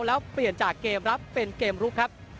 แล้วเปลี่ยนจากเกมรับเป็นเกมลุกครับ